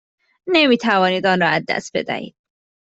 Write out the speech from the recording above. نمی توانید آن را از دست بدهید.